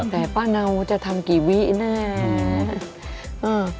แต่ป้าเนาจะทำกี่วิแน่